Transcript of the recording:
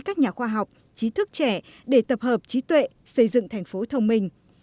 các nhà khoa học trí thức trẻ để tập hợp trí tuệ xây dựng thành phố thông minh